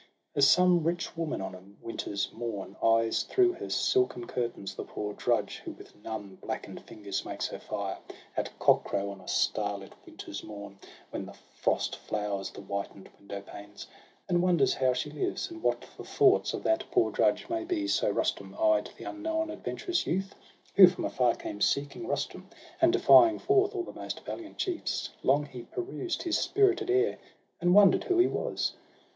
As some rich woman, on a winter's morn, Eyes through her silken curtains the poor drudge Who with numb blacken'd fingers makes her fire — At cock crow, on a starlit winter's morn. When the frost flowers the whiten'd window panes — And wonders how she lives, and what the thoughts Of that poor drudge may be; so Rustum eyed The unknown adventurous Youth, who from afar Came seeking Rustum, and defying forth All the most valiant chiefs; long he perused His spirited air, and wonder'd who he was.